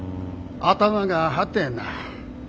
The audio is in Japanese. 頭が張ってへんな。